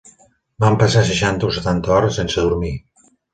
Vam passar seixanta o setanta hores sense dormir